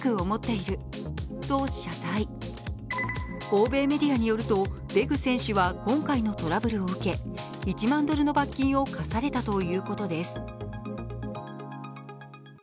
欧米メディアによるとベグ選手は、今回のトラブルを受け１万ドルの罰金を科されたということです。